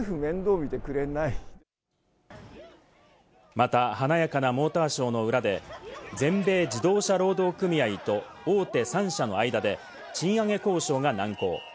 また華やかなモーターショーの裏で、全米自動車労働組合と大手３社の間で賃上げ交渉が難航。